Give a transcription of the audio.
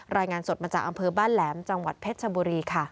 รายงานสดมาจากอำเภอบ้านแหลมจังหวัดเพชรชบุรีค่ะ